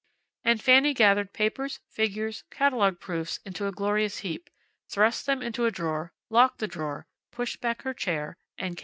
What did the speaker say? And Fanny gathered papers, figures, catalogue proofs into a glorious heap, thrust them into a drawer, locked the drawer, pushed back her chair, and came.